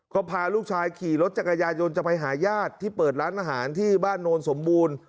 ก็พาลูกชายขี่รถจักรยายนจะไปหาญาติที่เปิดร้านอาหารที่บ้านโนนสมบูรณ์